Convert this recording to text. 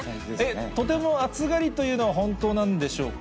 とても暑がりというのは本当なんでしょうか。